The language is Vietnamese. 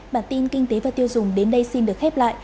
bản tin kinh tế và tiêu dùng đến đây xin được khép lại